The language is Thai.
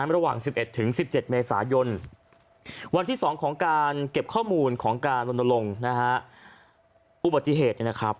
ระหว่าง๑๑๑๗เมษายนวันที่๒ของการเก็บข้อมูลของการลงอุบัติเหตุนะครับ